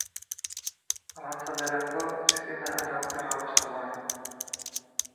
Arratsalderako, Christina are okerrago zegoen.